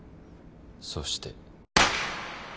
そして。